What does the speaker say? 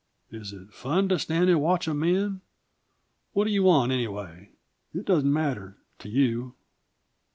"Is it fun to stand and watch a man What do you want, anyway? It doesn't matter to you."